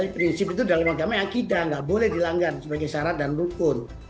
prinsip itu dalam agama yang tidak boleh dilanggar sebagai syarat dan rukun